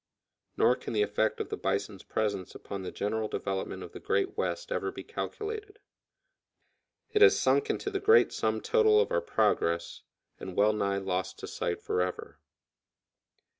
Nor can the effect of the bison's presence upon the general development of the great West ever be calculated. It has sunk into the great sum total of our progress, and well nigh lost to sight forever.